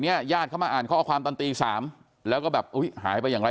นี้ญาติเขามาอ่านข้อความตอนตี๓แล้วก็แบบหายไปอย่างไร้